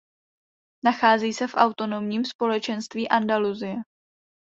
Nachází se v autonomním společenství Andalusie.